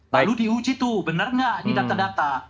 lalu diuji tuh bener nggak di data data